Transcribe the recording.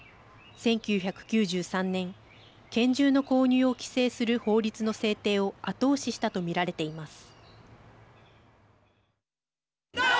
１９９３年、拳銃の購入を規制する法律の制定を後押ししたと見られています。